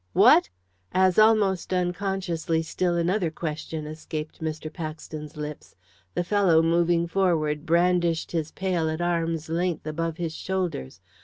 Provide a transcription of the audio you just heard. "What!" As, almost unconsciously, still another question escaped Mr. Paxton's lips, the fellow, moving forward, brandished his pail at arm's length above his shoulders.